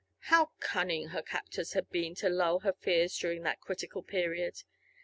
How cunning her captors had been to lull her fears during that critical period!